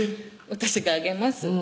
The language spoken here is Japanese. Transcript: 私が揚げます